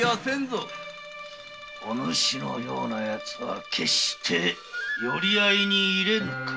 お主のようなヤツは決して寄合に入れぬからな！